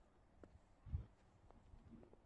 ملک ایک بار پھر دو جماعتی نظام کی طرف لوٹ گیا ہے۔